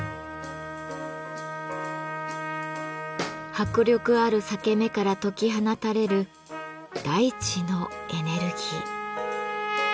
迫力ある裂け目から解き放たれる大地のエネルギー。